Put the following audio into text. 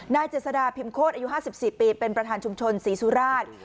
เจษฎาพิมโคตรอายุ๕๔ปีเป็นประธานชุมชนศรีสุราช